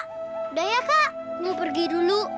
sudah ya kak mau pergi dulu